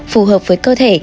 phù hợp với cơ thể